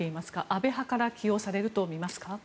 安倍派から起用されると見ますか？